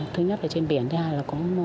thứ nhất là trên biển thứ hai là có